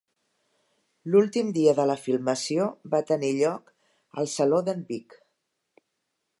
L'últim dia de la filmació va tenir lloc al saló d'en Vic.